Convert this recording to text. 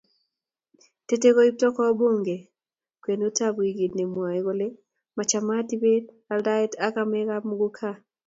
tetei koipto kowo bunge kwenutab wikit nemwoei kole mochamtaat ibet, aldaet ak amekab muguka